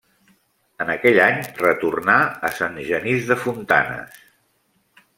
En aquell any retornà a Sant Genís de Fontanes.